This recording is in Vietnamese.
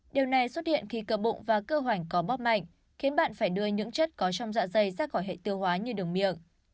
điều này xuất hiện khi cơ bụng và cơ hoành có bóp mạnh khiến bạn phải đưa những chất có trong dạ dày ra khỏi hệ tiêu hóa như đường miệng